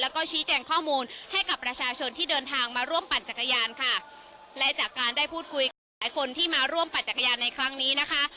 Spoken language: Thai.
แล้วก็ชี้แจงข้อมูลให้กับประชาชนที่เดินทางมาร่วมปั่นจักรยานค่ะและจากการได้พูดคุยกับหลายคนที่มาร่วมปั่นจักรยานในครั้งนี้นะคะ